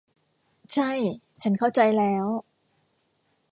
ใช่ ฉันเข้าใจแล้ว